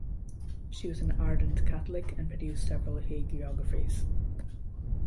She was an ardent Catholic and produced several hagiographies.